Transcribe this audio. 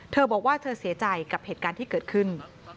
เธอบอกว่าเธอเสียใจกับเหตุการณ์ที่เกิดขึ้น